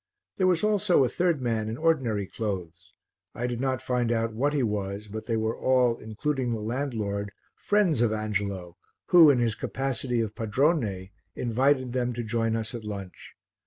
There was also a third man in ordinary clothes I did not find out what he was, but they were all, including the landlord, friends of Angelo who, in his capacity of padrone, invited them to join us at lunch.